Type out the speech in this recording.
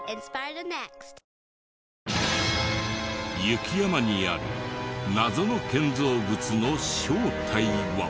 雪山にある謎の建造物の正体は？